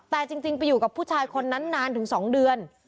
แต่จริงไปอยู่กับผู้ชายคนนั้นนานถึง๒เดือน